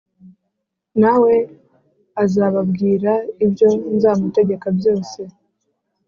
Na we azababwira ibyo nzamutegeka byose